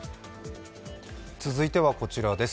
続いてはこちらです。